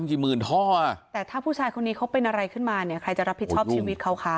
กี่หมื่นท่อแต่ถ้าผู้ชายคนนี้เขาเป็นอะไรขึ้นมาเนี่ยใครจะรับผิดชอบชีวิตเขาคะ